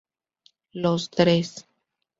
Los Dres.